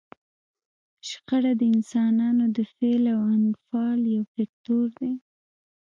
شخړه د انسانانو د فعل او انفعال یو فکتور دی.